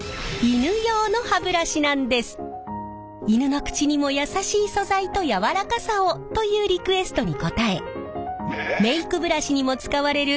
犬の口にも優しい素材と柔らかさをというリクエストに応えメイクブラシにも使われる